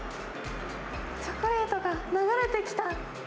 チョコレートが流れてきた。